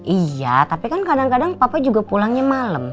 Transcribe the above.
iya tapi kan kadang kadang papa juga pulangnya malam